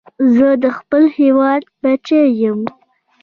زه د خپل هېواد بچی یم